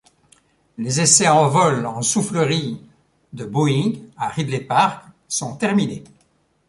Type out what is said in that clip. Les essais en vol en soufflerie de Boeing à Ridley Park sont terminés.